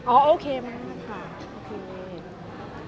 โอเคมากค่ะ